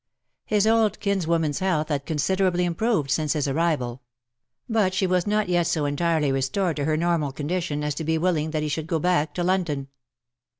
His old kinswoman^s health had considerably imj)roved since his arrival ; but she was not yet so VOL. II. B entirely restored to her normal condition as to be willing that he should go back to London.